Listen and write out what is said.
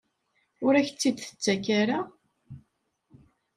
Ur ak-tt-id-tettak ara?